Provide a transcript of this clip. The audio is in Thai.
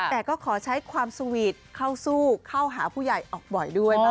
แต่ก็ขอใช้ความสวีทเข้าสู้เข้าหาผู้ใหญ่ออกบ่อยด้วย